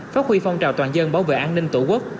phát huy phong trào toàn dân bảo vệ an ninh tổ quốc